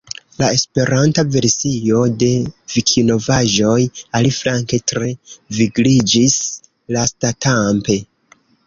La Esperanta versio de Vikinovaĵoj aliflanke tre vigliĝis lastatampe.